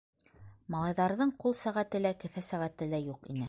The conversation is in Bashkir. Малайҙарҙың ҡул сәғәте лә, кеҫә сәғәте лә юҡ ине.